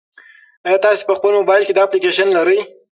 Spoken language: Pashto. ایا تاسي په خپل موبایل کې دا اپلیکیشن لرئ؟